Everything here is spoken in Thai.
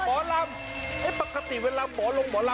มอลำคลายเสียงมาแล้วมอลำคลายเสียงมาแล้ว